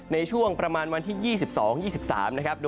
ในช่วงประมาณวันที่๒๒๒๓นะครับ